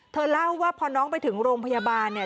เธอเล่าว่าพอน้องไปถึงโรงพยาบาลเนี่ย